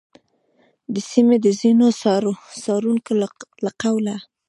د سیمې د ځینو څارونکو له قوله،